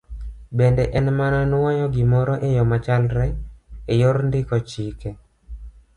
Bende en mana nwoyo gimoro e yo machalre e yor ndiko chike.